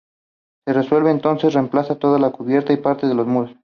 Se resuelve entonces remplazar toda la cubierta y parte de los muros.